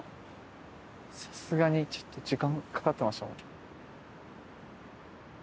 さすがにちょっと時間かかってましたもん。